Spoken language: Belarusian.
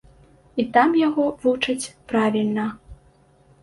І там яго вучаць правільна!